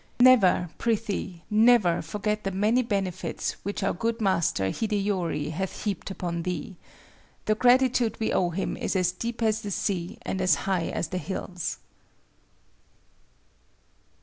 Never, prithee, never forget the many benefits which our good master Hideyori hath heaped upon thee. The gratitude we owe him is as deep as the sea and as high as the hills."